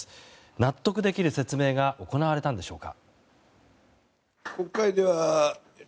納得できる説明が行われたんでしょうか。